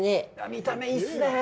見た目いいっすねえ。